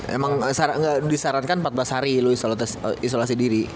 emang disarankan empat belas hari lo isolasi diri